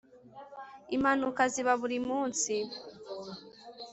impanuka zibaburimunsi.